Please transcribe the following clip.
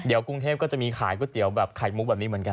เดี๋ยวกรุงเทพก็จะมีขายก๋วยเตี๋ยวแบบไข่มุกแบบนี้เหมือนกัน